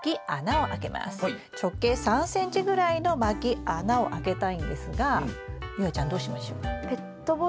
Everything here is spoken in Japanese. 直径３ｃｍぐらいのまき穴をあけたいんですが夕空ちゃんどうしましょう？